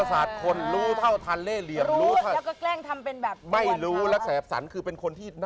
อยากจะเลิกถ่ายเซ็กซี่